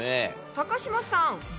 高嶋さん。